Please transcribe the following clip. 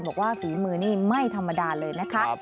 ฝีมือนี่ไม่ธรรมดาเลยนะคะ